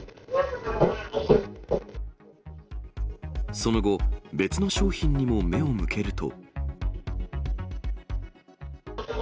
その後、別の商品にも目を向けると。